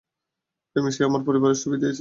প্রেম, সে আমার পরিবারের ছবি দিয়েছে।